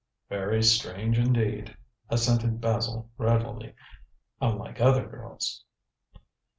"Very strange indeed," assented Basil readily; "unlike other girls."